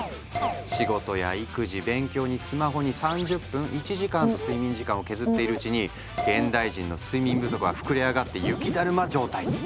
仕事や育児勉強にスマホに３０分１時間と睡眠時間を削っているうちに現代人の睡眠不足は膨れ上がって雪だるま状態に。